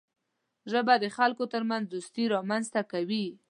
ژبه د خلکو ترمنځ دوستي رامنځته کوي